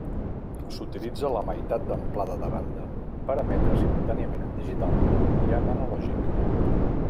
S'utilitza la meitat d'amplada de banda per emetre simultàniament en digital i en analògic.